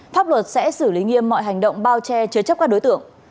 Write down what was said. pháp luật sẽ xử lý nghiêm mọi hành động bao che chứa chấp các đối tượng